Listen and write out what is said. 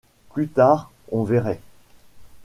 Plus tard, on verrait